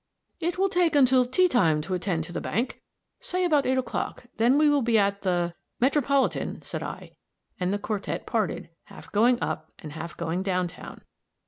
"It will take until tea time to attend to the bank. Say about eight o'clock, then, we will be at the " "Metropolitan," said I, and the quartette parted, half going up and half going down town.